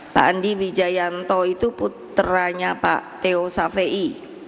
pak andi wijayanto itu putranya pak teo safei